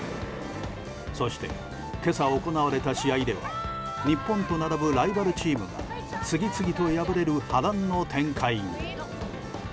そして今朝、行われた試合では日本と並ぶライバルチームが次々と敗れる波乱の展開に。